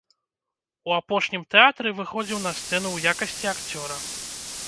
У апошнім тэатры выходзіў на сцэну ў якасці акцёра.